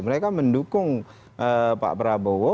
mereka mendukung pak prabowo